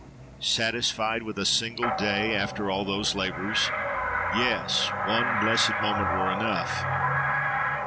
—Satisfied with a single day, after all those labours? —Yes! one blessed moment were enough!